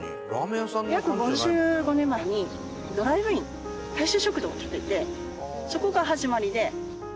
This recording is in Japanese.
約５５年前にドライブイン大衆食堂を建ててそこが始まりで。